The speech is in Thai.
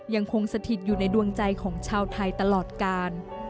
ยังคงสะทิดอยู่ในดวงใจของชาวไทยตลอดกาล